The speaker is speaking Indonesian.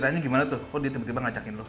tanya gimana tuh kok ditimpa timpa ngajakin lo